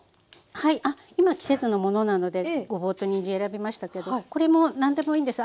はい今は季節のものなのでごぼうとにんじん選びましたけどこれも何でもいいんです。